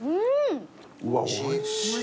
うわおいしい。